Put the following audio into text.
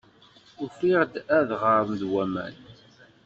Ufiɣ adɣer deg waman.